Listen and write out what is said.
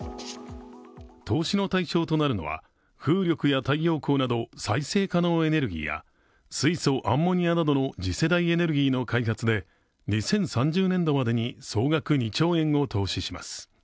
投資の対象となるのは風力や太陽光など再生可能エネルギーや水素・アンモニアなどの次世代エネルギーの開発で２０３０年度までに総額２兆円を投資します。